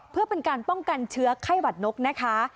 เพื่อเป็นการป้องกันเชื้อไข้หวัดนกนะคะ